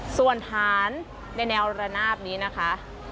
ส่วนฐานในแนวระนาบนี้นะคะ